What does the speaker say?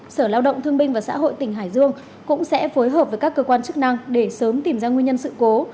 sở lao động thương binh và xã hội tỉnh hải dương cũng sẽ phối hợp với các cơ quan chức năng để sớm tìm ra nguyên nhân sự cố